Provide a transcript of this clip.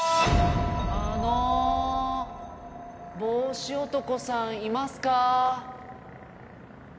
あの帽子男さんいますか？